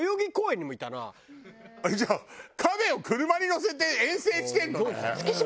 えっじゃあカメを車に乗せて遠征してるのね！